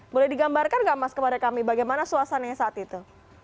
boleh digambarkan nggak mas kepada kami bagaimana suasananya saat itu